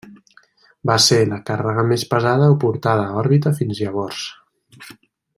Va ser la càrrega més pesada portada a òrbita fins llavors.